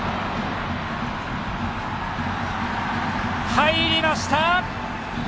入りました！